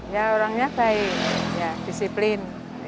ya orangnya baik ya disiplin